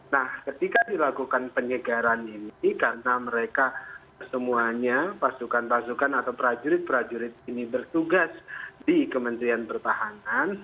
nah ketika dilakukan penyegaran ini karena mereka semuanya pasukan pasukan atau prajurit prajurit ini bertugas di kementerian pertahanan